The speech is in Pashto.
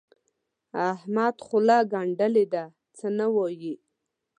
احمد خوله ګنډلې ده؛ څه نه وايي.